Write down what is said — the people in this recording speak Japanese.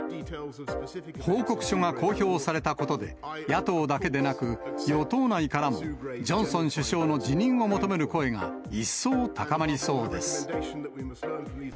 報告書が公表されたことで、野党だけでなく、与党内からもジョンソン首相の辞任を求める声が一層高まりそうです。